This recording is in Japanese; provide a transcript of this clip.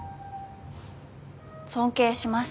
尊敬します